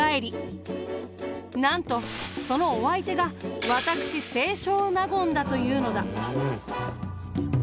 なんとそのお相手が私清少納言だというのだ。